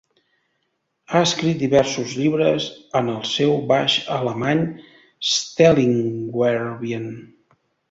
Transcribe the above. Ha escrit diversos llibres en el seu baix alemany Stellingwervian.